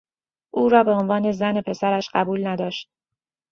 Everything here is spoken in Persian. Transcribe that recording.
او را به عنوان زن پسرش قبول نداشت.